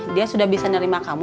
dia sudah bisa nerima kamu